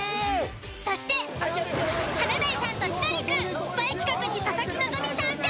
そして「華大さんと千鳥くん」スパイ企画に佐々木希参戦！